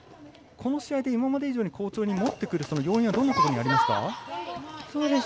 この試合で今まで以上に好調に持ってくるその要因はどんなところにありますか。